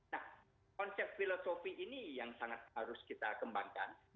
nah konsep filosofi ini yang sangat harus kita kembangkan